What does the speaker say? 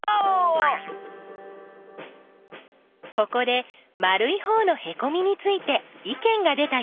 ここで丸いほうのへこみについていけんが出たよ。